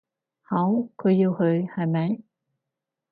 好，佢要去，係咪？